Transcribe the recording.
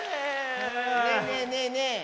ねえねえねえねえ。